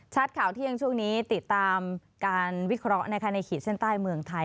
ข่าวเที่ยงช่วงนี้ติดตามการวิเคราะห์ในขีดเส้นใต้เมืองไทย